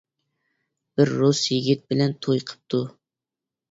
بىر رۇس يىگىتى بىلەن توي قىپتۇ.